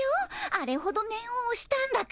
あれほどねんをおしたんだから。